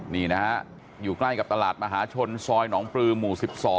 นี่นะฮะอยู่ใกล้กับตลาดมหาชนซอยหนองปลือหมู่๑๒